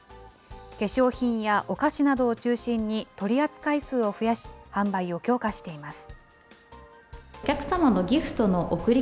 化粧品やお菓子などを中心に取り扱い数を増やし、販売を強化しています。